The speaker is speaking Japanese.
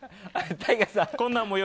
ＴＡＩＧＡさん